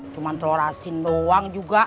cuma telur asin doang juga